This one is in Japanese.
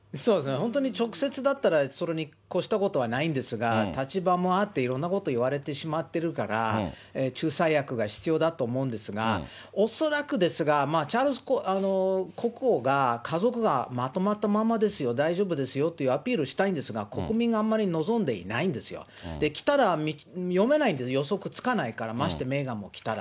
本当に直接だったらそれに越したことはないんですが、立場もあっていろんなこと言われてしまってるから、仲裁役が必要だと思うんですか、恐らくですが、チャールズ国王が家族がまとまったままですよ、大丈夫ですよというアピールしたいんですが、国民があんまり望んでいないんですよ。来たら読めないんです、予測つかないから、ましてメーガンも来たら。